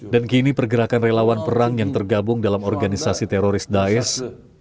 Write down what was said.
dan kini pergerakan relawan perang yang tergabung dalam organisasi teroris daesh